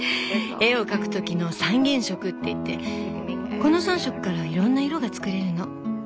絵を描くときの「３原色」っていってこの３色からいろんな色が作れるの。